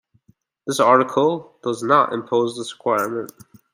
This article does "not" impose this requirement.